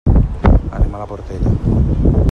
Anem a la Portella.